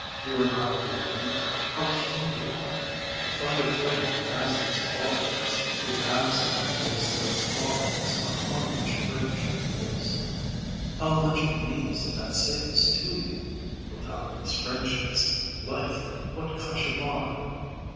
you are not blind! How keen you are!) To find a friend who has these qualities, Who has, and gives Those qualities upon which friendship lives. How much it means that I say this to you Without these friendships life, what cauchemar!"